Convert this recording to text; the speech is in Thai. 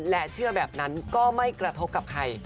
และเชื่อแบบนั้นก็ไม่กระทบกับใคร